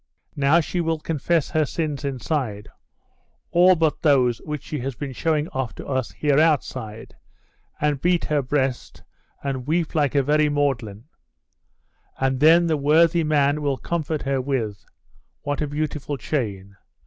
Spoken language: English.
'Now she will confess her sins inside all but those which she has been showing off to us here outside, and beat her breast, and weep like a very Magdalen; and then the worthy man will comfort her with "What a beautiful chain!